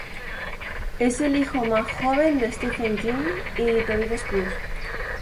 Es el hijo más joven de Stephen King y Tabitha Spruce.